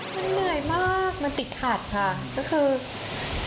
มันเหนื่อยมากมันติดขาดค่ะ